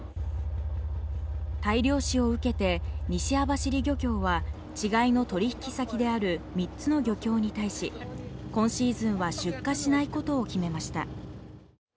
大量死を受けて、西網走漁業は稚貝の取引先である三つの漁協に対し、今シーズンは出荷しないことを決めました。